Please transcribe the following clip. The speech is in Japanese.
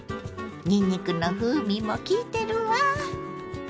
にんにくの風味もきいてるわ。